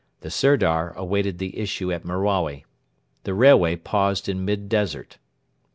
The Sirdar awaited the issue at Merawi. The railway paused in mid desert.